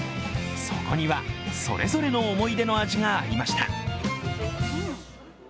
そこには、それぞれの思い出の味がありました。